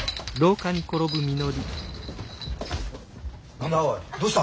何だおいどうした！？